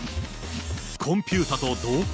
コンピューターと同化？